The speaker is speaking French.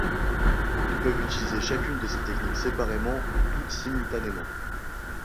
Ils peuvent utiliser chacune de ces techniques séparément ou toutes simultanément.